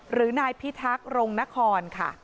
หรือนายพิทักษ์รงนครค่ะ